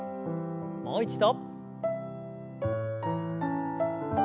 もう一度。